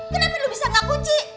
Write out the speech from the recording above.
kenapa lu bisa gak kunci